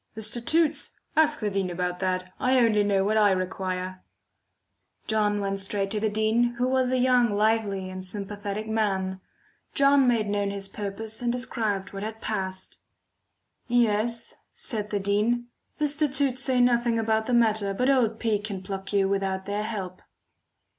"The statutes? Ask the dean about that; I only know what I require." John went straight to the dean, who was a young, lively and sympathetic man. John made known his purpose and described what had passed. "Yes," said the dean, "the statutes say nothing about the matter, but old P. can pluck you without their help."